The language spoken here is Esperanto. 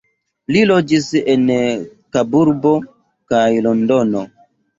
Li loĝis en Kaburbo kaj Londono.